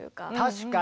確かに！